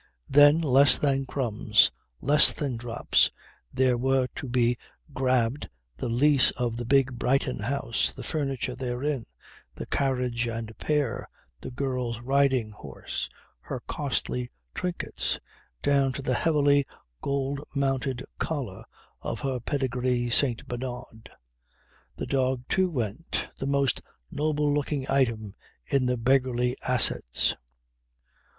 Then, less than crumbs, less than drops, there were to be grabbed, the lease of the big Brighton house, the furniture therein, the carriage and pair, the girl's riding horse, her costly trinkets; down to the heavily gold mounted collar of her pedigree St. Bernard. The dog too went: the most noble looking item in the beggarly assets.